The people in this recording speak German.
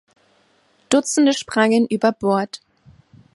Dutzende sprangen über Bord.